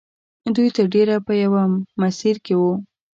دوی تر ډېره په یوه مسیر کې وو